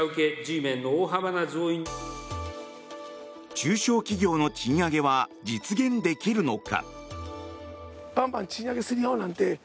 中小企業の賃上げは実現できるのか。